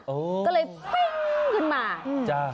ก็เลยพวิ้งขึ้นมา